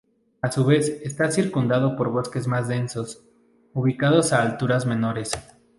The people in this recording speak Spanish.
A su vez, está circundado por bosques más densos, ubicados a alturas menores.